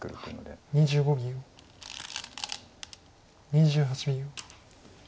２８秒。